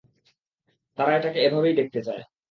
তারা এটাকে এভাবেই দেখতে চায়।